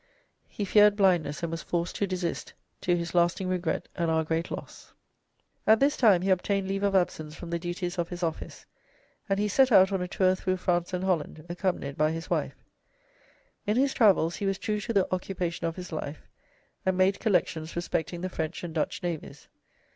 He feared blindness and was forced to desist, to his lasting regret and our great loss. At this time he obtained leave of absence from the duties of his office, and he set out on a tour through France and Holland accompanied by his wife. In his travels he was true to the occupation of his life, and made collections respecting the French and Dutch navies.